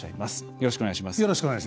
よろしくお願いします。